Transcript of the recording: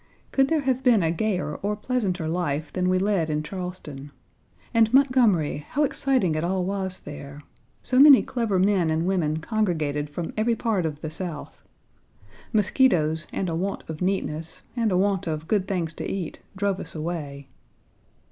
Could there have been a gayer, or pleasanter, life than we led in Charleston. And Montgomery, how exciting it all was there! So many clever men and women congregated from every part of the South. Mosquitoes, and a want of neatness, and a want of good things to eat, drove us away.